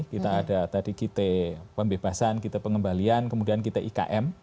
kita ada tadi kita pembebasan kita pengembalian kemudian kita ikm